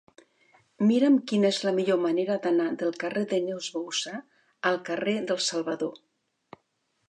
Mira'm quina és la millor manera d'anar del carrer de Neus Bouzá al carrer dels Salvador.